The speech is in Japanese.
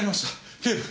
警部！